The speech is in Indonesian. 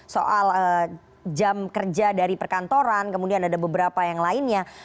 soal jam kerja dari perkantoran kemudian ada beberapa yang lainnya